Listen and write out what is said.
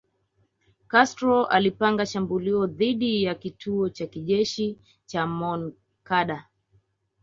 Castro alipanga shambulio dhidi ya kituo cha kijeshi cha Moncada